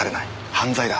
犯罪だ。